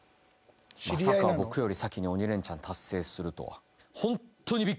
まさか僕より先に鬼レンチャン達成するとは。